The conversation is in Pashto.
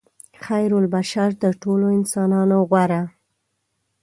خیرالبشر تر ټولو انسانانو غوره.